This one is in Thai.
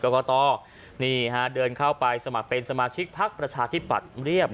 กตนี่ฮะเดินเข้าไปสมัครเป็นสมาชิกพักประชาธิปัตย์เรียบ